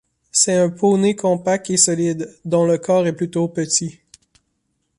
C'est un poney compact et solide, dont le corps est plutôt petit.